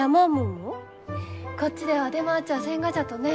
こっちでは出回っちゃあせんがじゃとね。